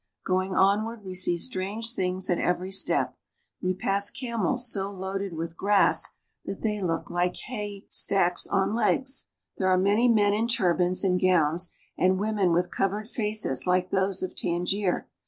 L Going onward we see strange things at every step. We i camels so loaded with grass that they look like hay 24 AFRICA Stacks on legs. There are many men in turbans and gowns, and women with covered faces like those of Tangier.